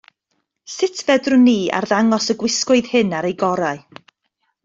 Sut feddwn ni arddangos y gwisgoedd hyn ar eu gorau?